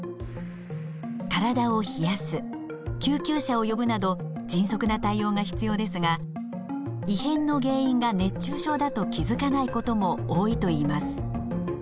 体を冷やす救急車を呼ぶなど迅速な対応が必要ですが異変の原因が熱中症だと気づかないことも多いといいます。